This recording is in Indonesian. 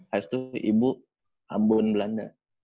habis itu ibu ambon belanda